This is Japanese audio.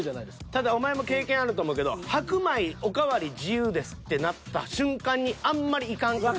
ただお前も経験あると思うけど白米おかわり自由ですってなった瞬間にあんまりいかんくない？